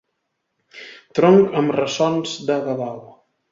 Tronc amb ressons de babau.